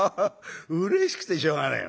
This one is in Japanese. うれしくてしょうがねえ」。